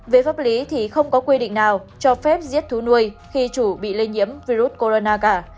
về pháp lý thì không có quy định nào cho phép giết thú nuôi khi chủ bị lây nhiễm virus corona cả